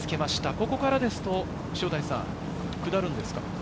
ここからですと塩谷さん、下るんですか？